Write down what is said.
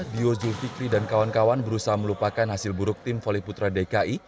dio zulfikri dan kawan kawan berusaha melupakan hasil buruk tim voli putra dki